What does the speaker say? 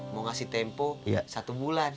mau ngasih tempo satu bulan